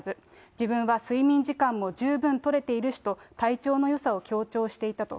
自分は睡眠時間も十分取れているしと、体調のよさを強調していたと。